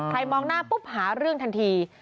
มองหน้าปุ๊บหาเรื่องทันที